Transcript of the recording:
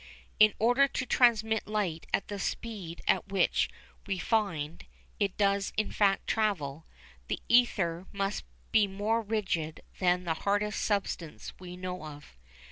In order to transmit light at the speed at which we find that it does in fact travel, the ether must be more rigid than the hardest substance we know of.